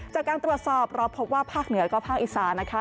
จากการตรวจสอบเราพบว่าภาคเหนือก็ภาคอีสานนะคะ